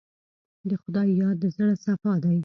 د خدای یاد د زړه صفا ده.